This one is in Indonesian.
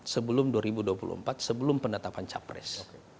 sebelum dua ribu dua puluh empat sebelum penetapan capres